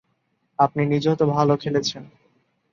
আপনি নিজেও তো ভালো খেলেছেন…